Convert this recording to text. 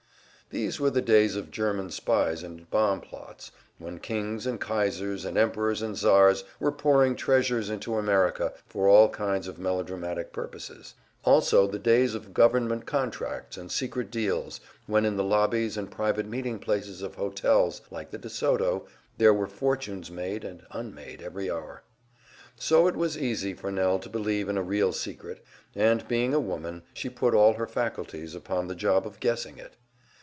These were the days of German spies and bomb plots, when kings and kaisers and emperors and tsars were pouring treasures into America for all kinds of melodramatic purposes; also the days of government contracts and secret deals, when in the lobbies and private meeting places of hotels like the de Soto there were fortunes made and unmade every hour. So it was easy for Nell to believe in a real secret, and being a woman, she put all her faculties upon the job of guessing it.